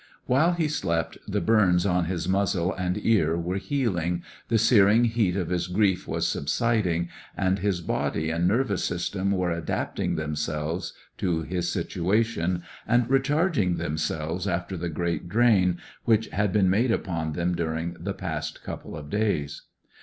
While he slept the burns on his muzzle and ear were healing, the searing heat of his grief was subsiding, and his body and nervous system were adapting themselves to his situation, and recharging themselves after the great drain which had been made upon them during the past couple of days.